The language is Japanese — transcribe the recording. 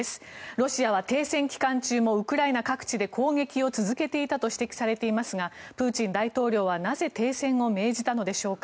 ロシアは停戦期間中もウクライナ各地で攻撃を続けていたと指摘されていますがプーチン大統領はなぜ停戦を命じたのでしょうか。